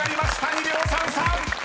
２秒３３］